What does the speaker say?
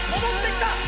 戻ってきた！